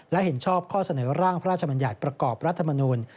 และเห็นชอบข้อเสนอร่างพระราชบัญญัติประกอบรัฐมนูล